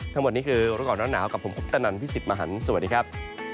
ทั้งหมดนี้คือรู้ก่อนร้อนหนาวกับผมคุปตนันพี่สิทธิ์มหันฯสวัสดีครับ